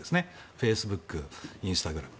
フェイスブックインスタグラム。